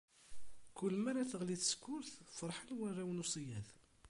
Kul mi ara teɣli tsekkurt, feṛṛḥen warraw n uṣeyyad.